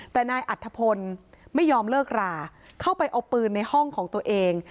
แต่นายอัธพลไม่ยอมเลิกราเข้าไปเอาปืนในห้องของตัวเอง